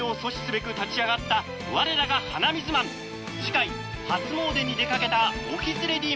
次回初詣に出かけたオフィスレディーマチコに命の危機！